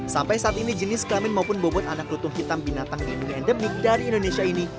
sampai saat ini jenis kelamin maupun bobot anak lutung hitam binatang dilindungi endemik dari indonesia ini